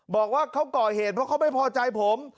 บอกว่าเขาก่อเหตุเพราะเขาไม่พอใจผม